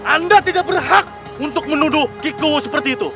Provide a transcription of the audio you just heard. anda tidak berhak untuk menuduh kiku seperti itu